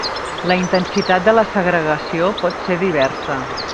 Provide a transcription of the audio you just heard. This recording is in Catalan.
La intensitat de la segregació pot ser diversa.